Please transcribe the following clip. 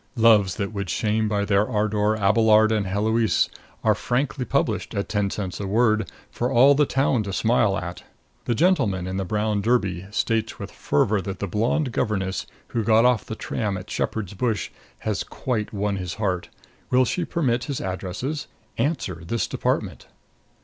Loves that would shame by their ardor Abelard and Heloise are frankly published at ten cents a word for all the town to smile at. The gentleman in the brown derby states with fervor that the blonde governess who got off the tram at Shepherd's Bush has quite won his heart. Will she permit his addresses? Answer; this department.